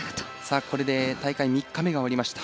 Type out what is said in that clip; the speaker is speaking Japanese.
これで大会３日目が終わりました。